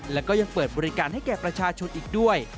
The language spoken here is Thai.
และก็ยังเปิดบริการให้แก่ประชาชนอีกด้วย